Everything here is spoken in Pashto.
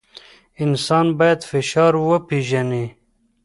انسان باید فشار وپېژني.